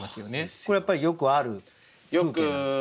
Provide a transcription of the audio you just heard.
これやっぱりよくある風景なんですか？